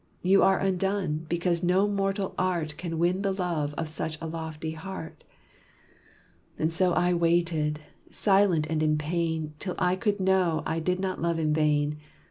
You are undone: because no mortal art Can win the love of such a lofty heart.' And so I waited, silent and in pain, Till I could know I did not love in vain.